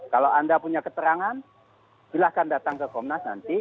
kalau anda punya keterangan silahkan datang ke komnas nanti